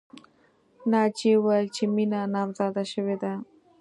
ناجیې وویل چې مینه نامزاده شوې ده